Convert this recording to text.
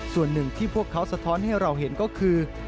ส่วนหนึ่งที่พวกเขาสะท้อนให้เราเห็นก็คือ